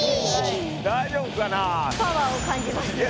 大丈夫かな？